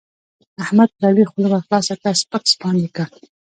احمد پر علي خوله ورخلاصه کړه؛ سپک سپاند يې کړ.